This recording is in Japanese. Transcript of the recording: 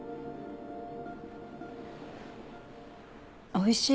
おいしい